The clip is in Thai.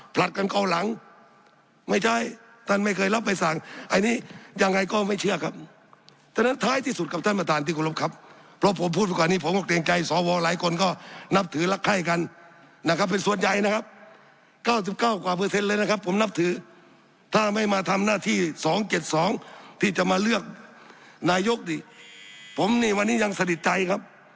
ผมนี่วันนี้ยังสนิทใจครับ